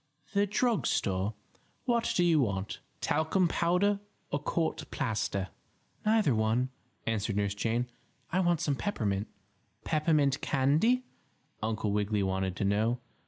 "The drug store? What do you want; talcum powder or court plaster?" "Neither one," answered Nurse Jane. "I want some peppermint." "Peppermint candy?" Uncle Wiggily wanted to know.